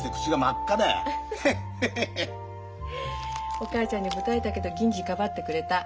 お母ちゃんにぶたれたけど銀次かばってくれた。